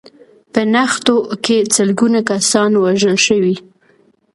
په نښتو کې سلګونه کسان وژل شوي